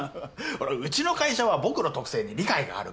ほらうちの会社は僕の特性に理解があるから。